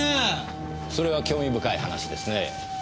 それは興味深い話ですねぇ。